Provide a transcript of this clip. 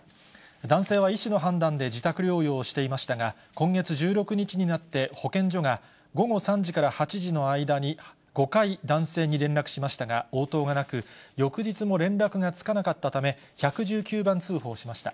男性は医師の判断で自宅療養していましたが、今月１６日になって、保健所が午後３時から８時の間に５回、男性に連絡しましたが応答がなく、翌日も連絡がつかなかったため、１１９番通報しました。